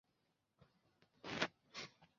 维耶伊莱。